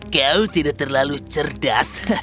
kau tidak terlalu cerdas